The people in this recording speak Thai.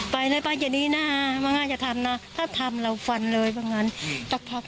ไปเลยไปเย็นดีน้าบางอย่างนั้นอย่าทำนะถ้าทำเราฟันเลยบางอย่างนั้น